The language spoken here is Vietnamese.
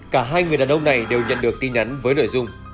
cả hai người đàn ông này đều nhận được tin nhắn với nội dung